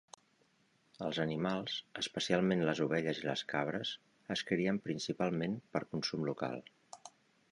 Els animals, especialment les ovelles i les cabres, es crien principalment per consum local.